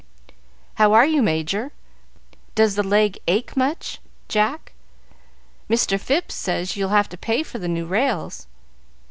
"How are you, Major?" "Does the leg ache much, Jack?" "Mr. Phipps says you'll have to pay for the new rails."